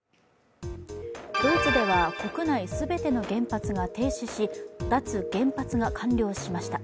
ドイツでは、国内全ての原発が停止し、脱原発が完了しました。